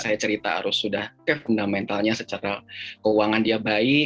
saya cerita harus sudah ke fundamentalnya secara keuangan dia baik